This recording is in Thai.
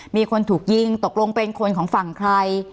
มีคนถูกยิงตกลงเป็นคนของฝั่งใคร